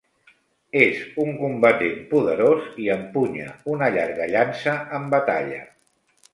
És un combatent poderós i empunya una llarga llança en batalla.